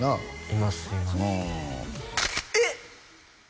いますいますうんえっ！？